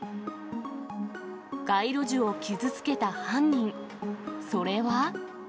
街路樹を傷つけた犯人、それは。